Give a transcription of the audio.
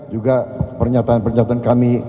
juga pernyataan pernyataan kami